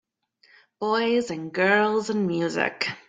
Boys and girls and music.